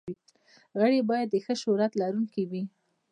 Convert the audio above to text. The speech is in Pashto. غړي باید د ښه شهرت لرونکي وي.